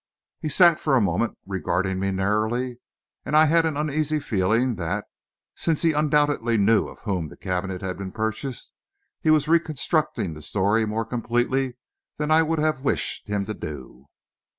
He sat for a moment regarding me narrowly, and I had an uneasy feeling that, since he undoubtedly knew of whom the cabinet had been purchased, he was reconstructing the story more completely than I would have wished him to do.